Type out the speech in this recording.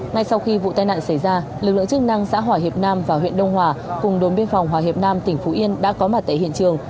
ngay sau khi vụ tai nạn xảy ra lực lượng chức năng xã hòa hiệp nam và huyện đông hòa cùng đồn biên phòng hòa hiệp nam tỉnh phú yên đã có mặt tại hiện trường